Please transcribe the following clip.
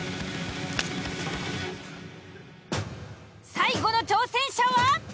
最後の挑戦者は？